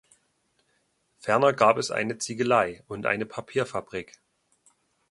Ferner gab es eine Ziegelei und eine Papierfabrik.